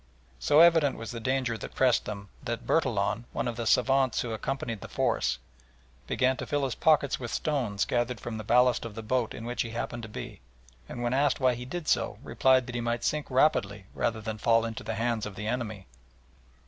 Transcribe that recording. So evident was the danger that pressed them that Bertillon, one of the savants who accompanied the force, began to fill his pockets with stones gathered from the ballast of the boat in which he happened to be, and when asked why he did so replied that he might sink rapidly rather than fall into the hands of the enemy.